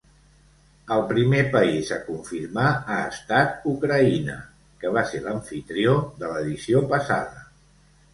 El primer país a confirmar ha estat Ucraïna, que va ser l'amfitrió de l'edició passada.